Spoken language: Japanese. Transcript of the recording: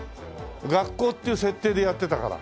学校っていう設定でやってたから。